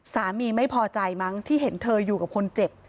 สามีไม่พอใจมั้งที่เห็นเธออยู่กับคนเจ็บ